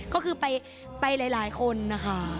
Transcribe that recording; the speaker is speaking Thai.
ก็คือไปหลายคนนะคะ